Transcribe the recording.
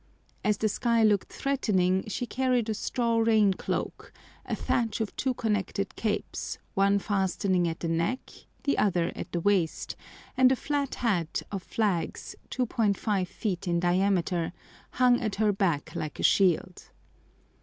As the sky looked threatening she carried a straw rain cloak, a thatch of two connected capes, one fastening at the neck, the other at the waist, and a flat hat of flags, 2½ feet in diameter, hung at her back like a shield.